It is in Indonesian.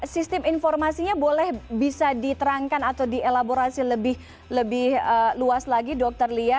sistem informasinya boleh bisa diterangkan atau dielaborasi lebih luas lagi dr lia